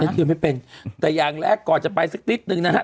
ไม่เชียร์ไม่เป็นแต่อย่างแรกก่อนจะไปสักนิดหนึ่งนะฮะ